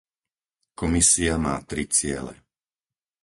Komisia má tri ciele.